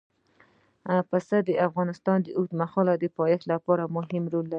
پسه د افغانستان د اوږدمهاله پایښت لپاره مهم رول لري.